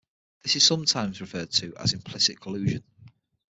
This is sometimes referred to as "implicit collusion".